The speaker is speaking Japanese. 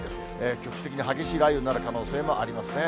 局地的に激しい雷雨になる可能性もありますね。